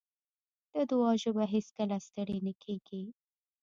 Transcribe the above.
د دعا ژبه هېڅکله ستړې نه کېږي.